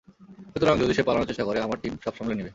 সুতরাং, যদি সে পালানোর চেষ্টা করে, আমার টিম সব সামলে নিবে।